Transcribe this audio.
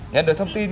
nhận được thông tin